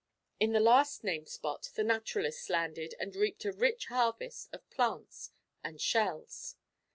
In the last named spot the naturalists landed, and reaped a rich harvest of plants and shells.